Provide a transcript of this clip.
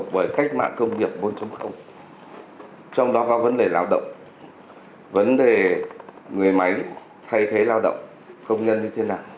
bởi cách mạng công nghiệp bốn trong đó có vấn đề lao động vấn đề người máy thay thế lao động công nhân như thế nào